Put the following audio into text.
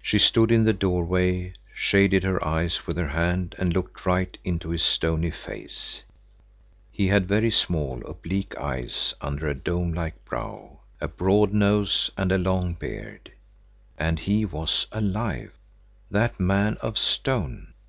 She stood in the doorway, shaded her eyes with her hand, and looked right into his stony face. He had very small, oblique eyes under a dome like brow, a broad nose and a long beard. And he was alive, that man of stone.